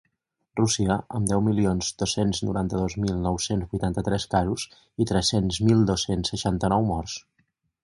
Rússia, amb deu milions dos-cents noranta-dos mil nou-cents vuitanta-tres casos i tres-cents mil dos-cents seixanta-nou morts.